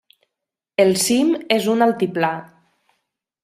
El cim és un altiplà.